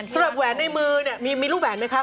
สำหรับแหวนในมือมีรูปแหวนไหมคะ